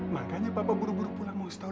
makanya papa buru buru pulang mau setau liat